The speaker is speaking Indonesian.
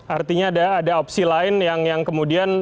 artinya ada opsi lain yang kemudian